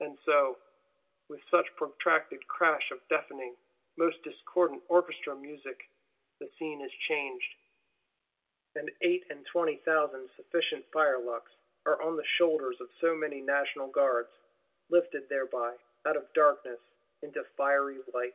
And so, with such protracted crash of deafening, most discordant Orchestra music, the Scene is changed: and eight and twenty thousand sufficient firelocks are on the shoulders of so many National Guards, lifted thereby out of darkness into fiery light.